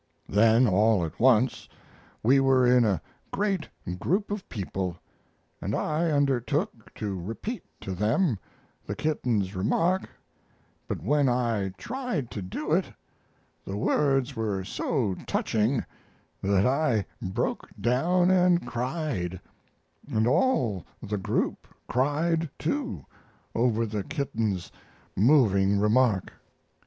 Then all at once we were in a great group of people and I undertook to repeat to them the kitten's remark, but when I tried to do it the words were so touching that I broke down and cried, and all the group cried, too, over the kitten's moving remark."